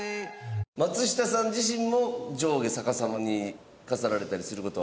松下さん自身も上下逆さまに飾られたりする事は？